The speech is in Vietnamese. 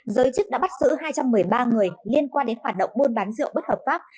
giới chức đã bắt giữ hai trăm một mươi ba người liên quan đến hoạt động buôn bán rượu bất hợp pháp